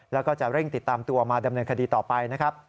แล้วก็จะเร่งติดตามตัวมาดำเนินคดีต่อไปนะครับ